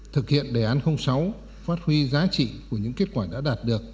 thực hiện đề án sáu phát huy giá trị của những kết quả đã đạt được